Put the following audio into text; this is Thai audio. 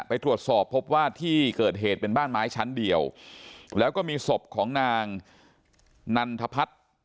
ไปตรวจสอบพบว่าที่เกิดเหตุเป็นบ้านไม้ชั้นเดียวแล้วก็มีศพของนางนันทพัฒน์